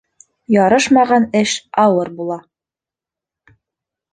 Ярышмаған эш ауыр була.